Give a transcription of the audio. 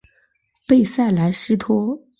贝塞莱西托。